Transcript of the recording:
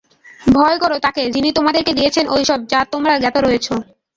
ভয় কর তাকে যিনি তোমাদেরকে দিয়েছেন ঐসব, যা তোমরা জ্ঞাত রয়েছ।